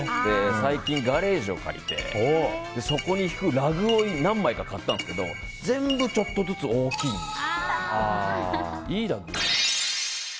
最近、ガレージを借りてそこに敷くラグを何枚か買ったんですけど全部ちょっとずつ大きいんです。